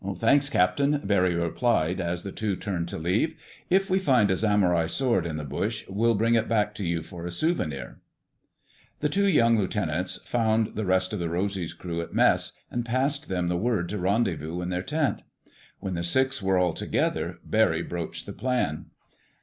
"Thanks, Captain," Barry replied as the two turned to leave. "If we find a Samurai sword in the bush, we'll bring it back to you for a souvenir." The two young lieutenants found the rest of the Rosy's crew at mess, and passed them the word to rendezvous in their tent. When the six were all together, Barry broached the plan.